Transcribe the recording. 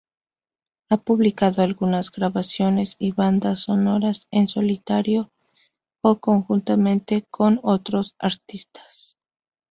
Ha publicado algunas grabaciones y bandas sonoras, en solitario o conjuntamente con otros artistas.